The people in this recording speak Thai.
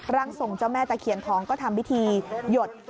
รังสงศ์เจ้าแม่ตะเขียนทองก็ทำวิธีหยด